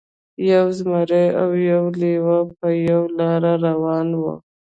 یو زمری او یو لیوه په یوه لاره روان وو.